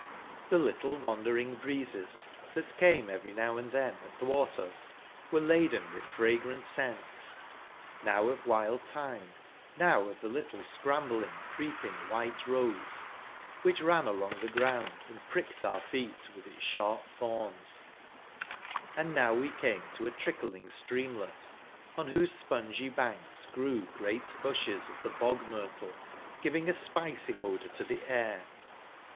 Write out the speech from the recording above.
The little wandering breezes, that came every now and then athwart us, were laden with fragrant scents — now of wild, thyme — now of uie little scrambling creeping white rose, which ran along the ground and pricked our feet with its sharp thorns and now we came to a trickling streamlet, on whose spongy banks grew great bushes of the bog myrtle, giving a spicy odour to the air.